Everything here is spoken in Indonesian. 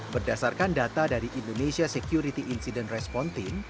berdasarkan data dari indonesia security insident response team